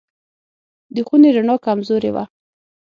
د خونې رڼا کمزورې وه.